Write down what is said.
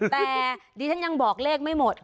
แต่ดิฉันยังบอกเลขไม่หมด